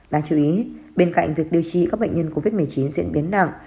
đáng chú ý bên cạnh việc điều trị các bệnh nhân covid một mươi chín diễn biến nặng